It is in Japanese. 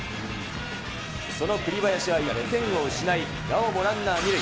その栗林は１点を失い、なおもランナー２塁。